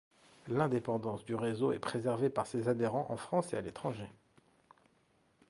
L'indépendance du réseau est préservée par ses adhérents en France et à l'étranger.